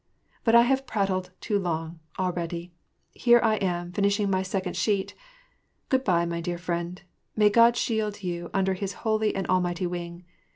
But I have prattled too long, already: here I am, finishing my second sheet ! Grood by, my dear friend. May God shield you under His Holy and Almighty wing.